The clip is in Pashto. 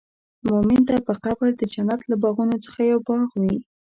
مؤمن ته به قبر د جنت له باغونو څخه یو باغ وي.